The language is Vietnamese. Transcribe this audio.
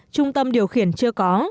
trung tâm điều khiển chưa có